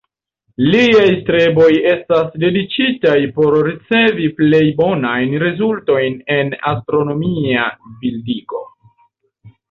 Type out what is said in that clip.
Liaj streboj estas dediĉitaj por ricevi plej bonajn rezultojn en astronomia bildigo.